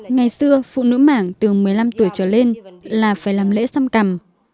ngày xưa phụ nữ mảng từ một mươi năm tuổi trở lên là phải làm lễ xăm cằm